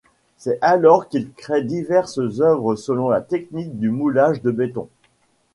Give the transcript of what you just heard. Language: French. C'est alors qu'il crée diverses œuvres selon la technique du moulage de béton.